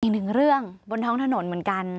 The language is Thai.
อีกหนึ่งเรื่องบนท้องถนนเหมือนกัน